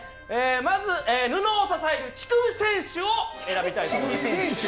まず布を支える乳首戦士を選びたいと思います。